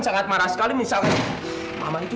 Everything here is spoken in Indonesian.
yang kita ada cinta kita ndre